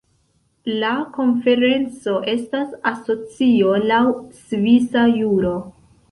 La konferenco estas asocio laŭ svisa juro.